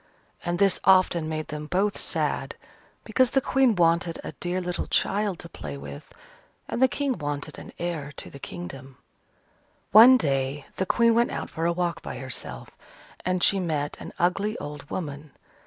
And this often made them both sad, because the Queen wanted a dear little child to play with, and the King wanted an heir to the kingdom. One day the Queen went out for a walk by herself, and she met an ugly old woman.